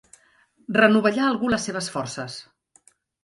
Renovellar algú les seves forces.